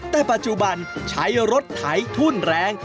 แต่ปัจจุบันใช้รถไถทุ่นแรง